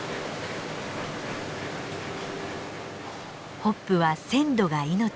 ホップは鮮度が命。